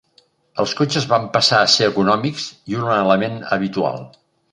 Els cotxes van passar a ser econòmics i un element habitual.